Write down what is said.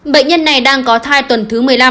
bệnh nhân này đang có thai tuần thứ một mươi năm